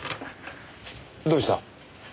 どうした？